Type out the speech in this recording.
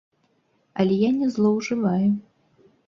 Але я не злоўжываю.